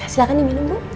silahkan diminum bu